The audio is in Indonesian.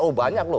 oh banyak loh